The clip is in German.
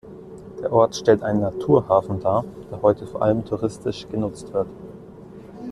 Der Ort stellt einen Naturhafen dar, der heute vor allem touristisch genutzt wird.